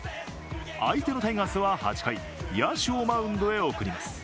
相手のタイガースは８回野手をマウンドへ送ります。